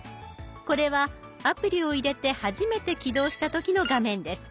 これはアプリを入れて初めて起動した時の画面です。